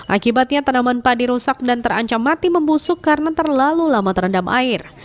akibatnya tanaman padi rusak dan terancam mati membusuk karena terlalu lama terendam air